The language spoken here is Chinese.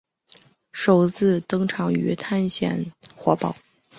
首次登场于探险活宝。